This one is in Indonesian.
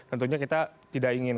tentunya kita tidak ingin